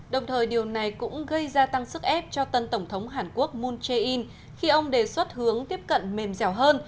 đồng thời điều này cũng gây gia tăng sức ép cho tân tổng thống hàn quốc moon jae in khi ông đề xuất hướng tiếp cận mềm dẻo hơn